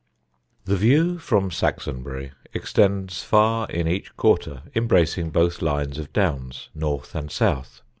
The view from Saxonbury extends far in each quarter, embracing both lines of Downs, North and South.